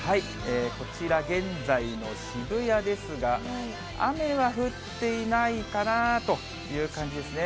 こちら、現在の渋谷ですが、雨は降っていないかなという感じですね。